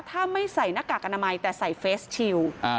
ถ้าไม่ใส่หน้ากากอนามัยแต่ใส่เฟสชิล